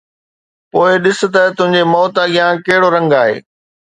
پوءِ ڏس ته تنهنجي موت اڳيان ڪهڙو رنگ آهي